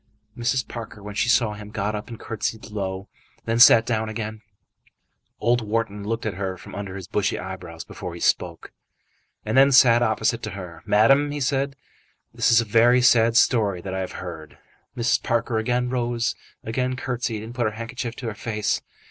Mrs. Parker, when she saw him, got up, and curtsied low, and then sat down again. Old Wharton looked at her from under his bushy eyebrows before he spoke, and then sat opposite to her. "Madam," he said, "this is a very sad story that I have heard." Mrs. Parker again rose, again curtsied, and put her handkerchief to her face.